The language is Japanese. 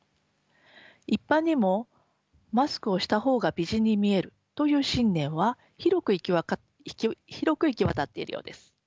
一般にもマスクをした方が美人に見えるという信念は広く行き渡っているようです。